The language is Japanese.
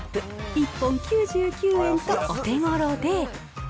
１本９９円とお手ごろで。